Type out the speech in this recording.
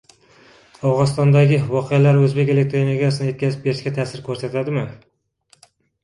Afg‘onistondagi voqealar o‘zbek elektr energiyasini yetkazib berishga ta’sir ko‘rsatdimi?